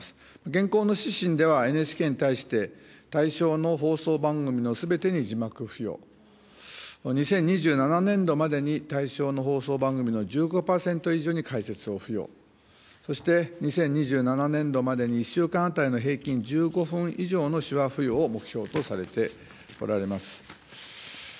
現行の指針では、ＮＨＫに対して、対象の放送番組のすべてに字幕付与、２０２７年度までに、対象の放送番組の１５％以上に解説を付与、そして２０２７年度までに、１週間当たりの平均１５分以上の手話付与を目標とされておられます。